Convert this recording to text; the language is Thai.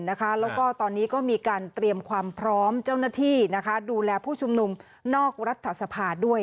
แล้วก็ตอนนี้ก็มีการเตรียมความพร้อมเจ้าหน้าที่ดูแลผู้ชุมนุมนอกรัฐสภาด้วย